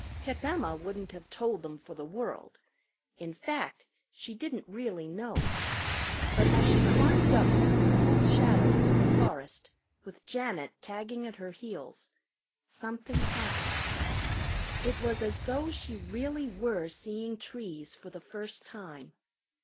Pip Emma wouldn't have told them for the world. In fact she didn't really know. But as she climbed up through the cool shadows of the forest, with Janet tagging at her heels, something happened. It was as though she really were seeing trees for the first time.